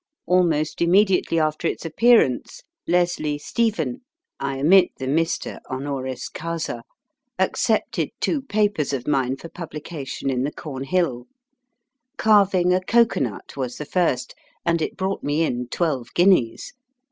Almost im mediately after its appearance, Leslie Stephen (I omit the Mr., honoris causa) accepted two papers of mine for pub lication in the Cornhill. Carving a Cocoanut was the first, and it brought me in twelve guineas.